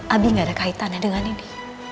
abi tidak ada kaitannya dengan ini